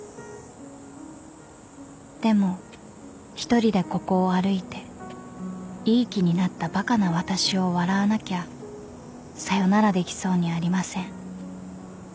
［でも一人でここを歩いていい気になったバカな私を笑わなきゃさよならできそうにありません］